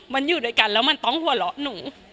มันอยู่ด้วยกันแล้วมันต้องหัวเราะหนู